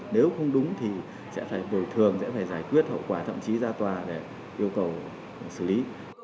nếu không đúng thì sẽ phải bồi thường sẽ phải giải quyết hậu quả thậm chí ra tòa để yêu cầu xử lý